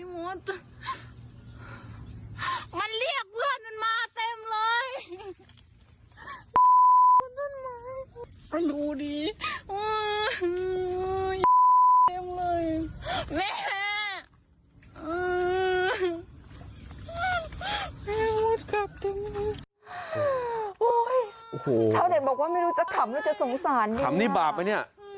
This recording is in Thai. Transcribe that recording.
โอ้โฮชาวเด็ดบอกว่าไม่รู้จะขำหรือจะสงสารเลยน่ะนะขำนี่บาปนะเนี่ย